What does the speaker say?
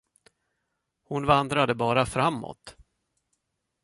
Hon vandrade bara framåt.